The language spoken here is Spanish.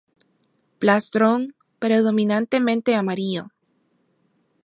Plastrón predominantemente amarillo.